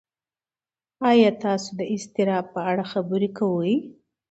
ایا تاسو د اضطراب په اړه خبرې کوئ؟